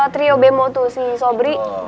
trio bemo tuh si subri